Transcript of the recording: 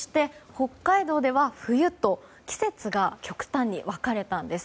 北海道では冬と季節が極端に分かれたんです。